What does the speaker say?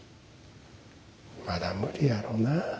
まだ無理やろな。